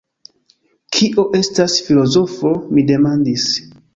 Kio estas filozofo? mi demandis.